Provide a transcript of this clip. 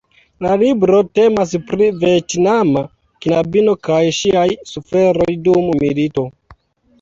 La libro temas pri vjetnama knabino kaj ŝiaj suferoj dum milito.